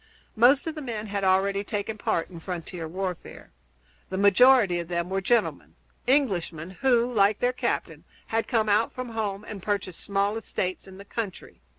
Most of the men had already taken part in frontier warfare. The majority of them were gentlemen Englishmen who, like their captain, had come out from home and purchased small estates in the country.